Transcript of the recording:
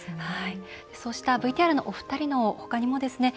そうしたＶＴＲのお二人のほかにもですね